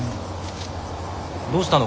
どうしたの？